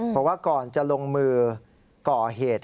บอกว่าก่อนจะลงมือก่อเหตุ